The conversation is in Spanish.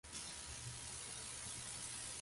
Es un caso especial de proyección.